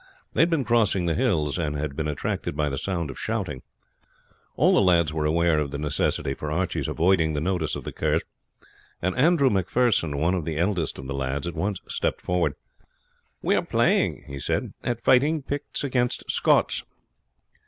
They had been crossing the hills, and had been attracted by the sound of shouting. All the lads were aware of the necessity for Archie's avoiding the notice of the Kerrs, and Andrew Macpherson, one of the eldest of the lads, at once stepped forward: "We are playing," he said, "at fighting Picts against Scots."